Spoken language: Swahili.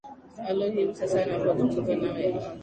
alo hivi sasa napozungumza nawe aah